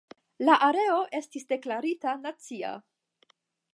La areo estis deklarita nacia.